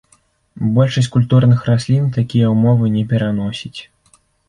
Большасць культурных раслін такія ўмовы не пераносіць.